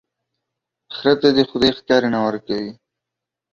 خره ته دي خداى ښکر نه ور کوي،